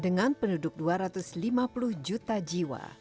dengan penduduk dua ratus lima puluh juta jiwa